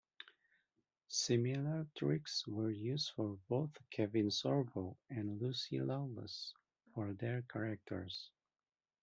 Similar tricks were used for both Kevin Sorbo and Lucy Lawless for their characters.